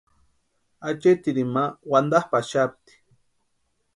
Acheetirini ma wantapʼaxapti.